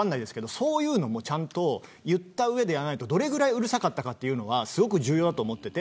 そういうのもちゃんと言ったうえで言わないとどのぐらいうるさかったのかというのが非常に重要だと思っていて。